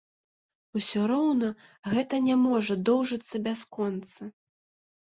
Усё роўна гэта не можа доўжыцца бясконца.